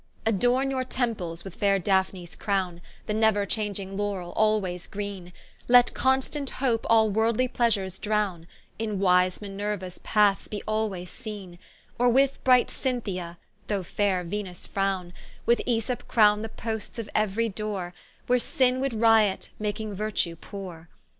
Adorne your temples with faire Daphnes crowne, The neuer changing Laurel, alwaies greene; Let constant hope all worldly pleasures drowne, In wise Mineruaes paths be alwaies seene; Or with bright Cynthia, thogh faire Venus frown: With Esop crosse the posts of euery doore, Where Sinne would riot, making Virtue poore.